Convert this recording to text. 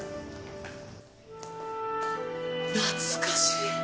懐かしい！